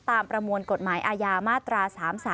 ประมวลกฎหมายอาญามาตรา๓๓